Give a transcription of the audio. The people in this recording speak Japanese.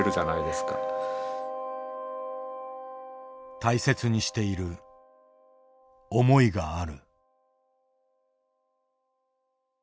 大切にしている思いがある。